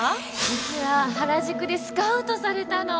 実は原宿でスカウトされたの